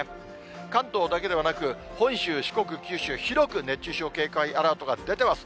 関東だけではなく、本州、四国、九州、広く熱中症警戒アラートが出てます。